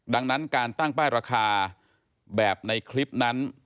ดังนั้นการตั้งป้ายราคาแบบในคลิปนั้น